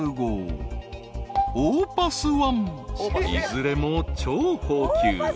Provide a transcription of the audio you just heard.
［いずれも超高級。